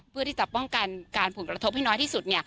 เพื่อที่จะป้องกันการผลกระทบให้น้อยที่สุด